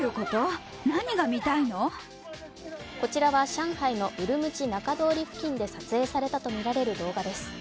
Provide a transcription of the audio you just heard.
こちらは上海のウルムチ中通り付近で撮影されたとみられる動画です。